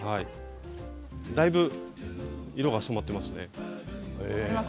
だいぶ色が染まっていますね。